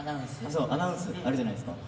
そうアナウンスあるじゃないですか。